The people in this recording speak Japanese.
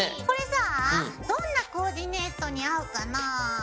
これさぁどんなコーディネートに合うかなぁ？